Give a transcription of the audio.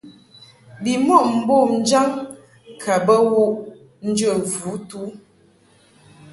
Bimɔʼ mbom jaŋ ka bə wuʼ njə vutu.